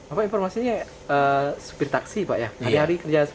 apa informasinya supir taksi pak ya